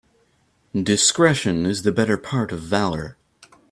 Discretion is the better part of valour.